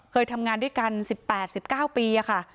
เคยทำงานด้วยกัน๑๘๑๙ปีค่ะ